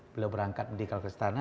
beliau berangkat meninggalkan istana